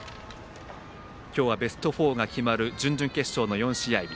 今日はベスト４が決まる準々決勝の４試合。